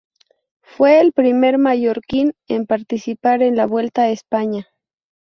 Fue el primer mallorquín en participar en la Vuelta a España.